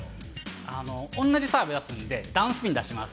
同じサーブ出すので、ダウンサーブ出します。